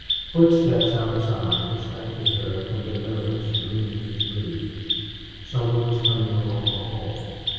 Footsteps outside distracted her from the nervous, dreamy mood. Some one was coming along the hall.